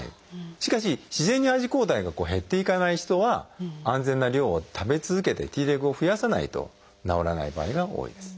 しかし自然にＩｇＥ抗体が減っていかない人は安全な量を食べ続けてＴレグを増やさないと治らない場合が多いです。